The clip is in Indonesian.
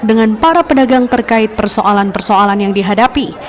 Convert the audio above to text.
dengan para pedagang terkait persoalan persoalan yang dihadapi